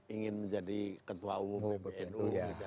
ingin menjadi ketua umum di nu